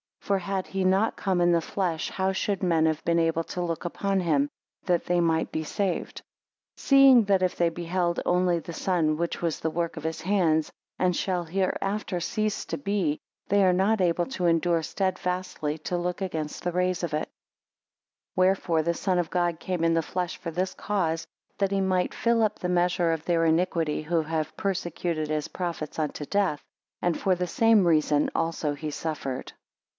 For had he not come in the flesh, how should men have been able to look upon him, that they might be saved? 14 Seeing that if they beheld only the sun, which was the work of his hands, and shall hereafter cease to be, they are not able to endure steadfastly to look against the rays of it; 15 Wherefore the Son of God came in the flesh for this cause, that he might fill up the measure of their iniquity, who have persecuted his prophets unto death. And for the same reason also he suffered.